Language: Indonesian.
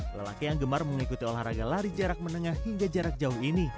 lelaki yang gemar mengikuti olahraga lari jarak menengah hingga jarak jauh ini